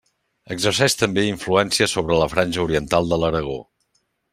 Exerceix també influència sobre la franja oriental de l'Aragó.